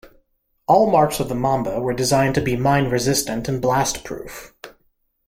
All marks of the Mamba were designed to be mine-resistant and blastproof.